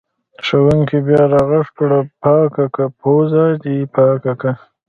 ښوونکي بیا راغږ کړ: پاکه که پوزه دې پاکه که!